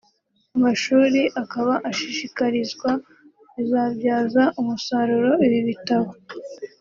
Amashuri akaba ashishikarizwa kuzabyaza umusaruro ibi bitabo